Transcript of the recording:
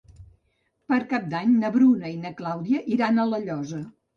Per Cap d'Any na Bruna i na Clàudia iran a La Llosa.